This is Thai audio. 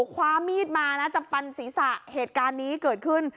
คว้ามีดมานะจะฟันศีรษะเหตุการณ์นี้เกิดขึ้น